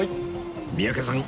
三宅さん